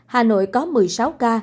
hà nội có một mươi sáu ca